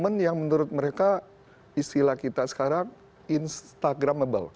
momen yang menurut mereka istilah kita sekarang instagramable